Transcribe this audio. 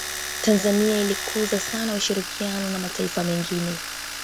tanzania ilikuza sana ushirikiano na mataifa mengine